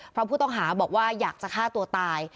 เพราะผู้ต้องหาบอกว่าอยากจะฆ่าตัวตาย